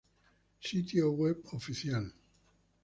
Sitio web oficial